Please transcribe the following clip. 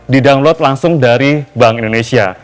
didownload langsung dari bank indonesia